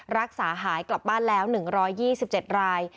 รักษาหายกลับบ้านแล้ว๑๒๗ราย